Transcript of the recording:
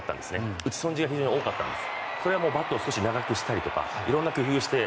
打ち損じが多かったんです。